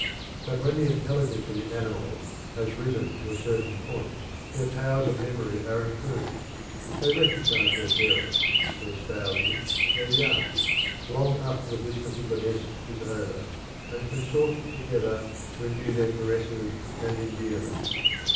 But when the intelligence of the animals has risen to a certain point, their powers of memory are improved, they recognise their parents, their spouses, their young, long after the business of the nest is over, and consort together to renew their caresses and endearments.